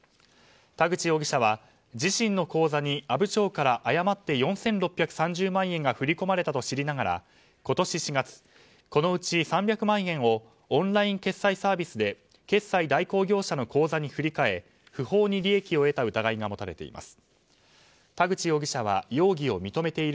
田口容疑者は自身の口座に阿武町から誤って４６３０万円が振り込まれたと知りながら今年４月、このうち３００万円をオンライン決済サービスで決済代行業者の口座に振り替え、不法に利益を得た疑いが持たれています。